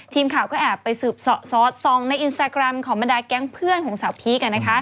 ทีมข่าวก็แอบไปสืบซอสส่องในอินสตาแกรมของบรรดาแก๊งเพื่อนของสาวพีค